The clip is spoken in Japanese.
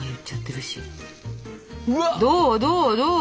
どうどうどう？